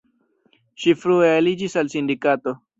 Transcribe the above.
Ŝi frue aliĝis al sindikato.